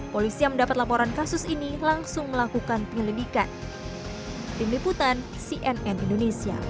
polisi yang mendapat laporan kasus ini langsung melakukan penyelidikan